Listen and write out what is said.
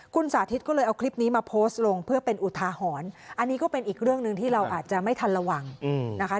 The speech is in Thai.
คุณสาธิตก็เลยเอาคลิปนี้มาโพสต์ลงเพื่อเป็นอุทาหรณ์อันนี้ก็เป็นอีกเรื่องหนึ่งที่เราอาจจะไม่ทันระวังนะคะ